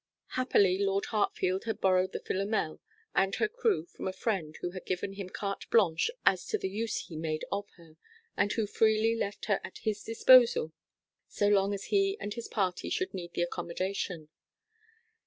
Happily Lord Hartfield had borrowed the Philomel and her crew from a friend who had given him carte blanche as to the use he made of her, and who freely left her at his disposal so long as he and his party should need the accommodation.